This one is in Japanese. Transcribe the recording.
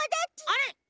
あれ？